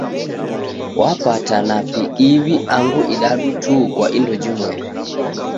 Wapata napi iw'i angu idadu tu kwa indo jimweri.